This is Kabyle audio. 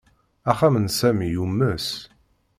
Axxam n Sami yumes.